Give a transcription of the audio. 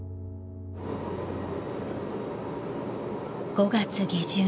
［５月下旬］